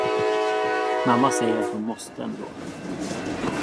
Mamma säger att hon måste ändå.